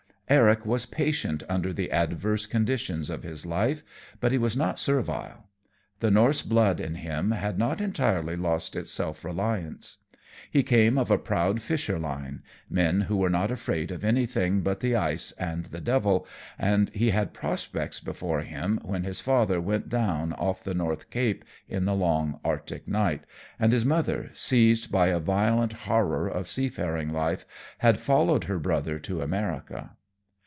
Eric was patient under the adverse conditions of his life, but he was not servile. The Norse blood in him had not entirely lost its self reliance. He came of a proud fisher line, men who were not afraid of anything but the ice and the devil, and he had prospects before him when his father went down off the North Cape in the long Arctic night, and his mother, seized by a violent horror of seafaring life, had followed her brother to America.